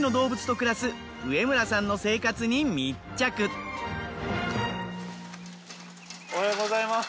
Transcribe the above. ここでおはようございます。